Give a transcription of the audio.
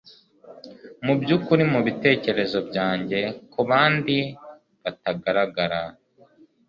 Mubyukuri mubitekerezo byanjye kubandi batagaragara